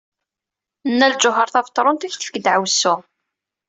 Nna Lǧuheṛ Tabetṛunt ad ak-tefk ddeɛwessu.